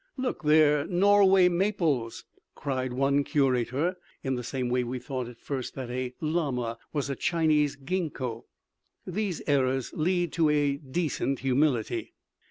"Look, they're Norway maples," cried one curator. In the same way we thought at first that a llama was a Chinese ginkgo. These errors lead to a decent humility.